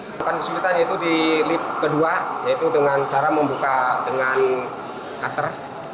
pertanyaan kesulitan itu di lift kedua yaitu dengan cara membuka dengan kater